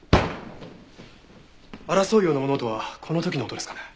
争うような物音はこの時の音ですかね？